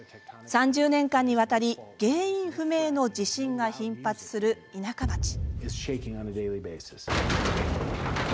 ３０年間にわたり原因不明の地震が頻発する田舎町。